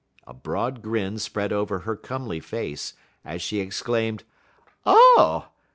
A broad grin spread over her comely face as she exclaimed: "_Oh!